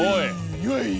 岩井！